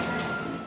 aku mau ke rumah